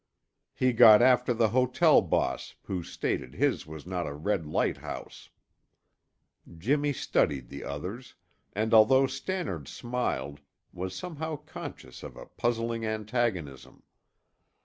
He got after the hotel boss, who stated his was not a red light house." Jimmy studied the others, and although Stannard smiled, was somehow conscious of a puzzling antagonism.